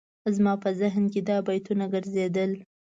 زما په ذهن کې دا بیتونه ګرځېدل.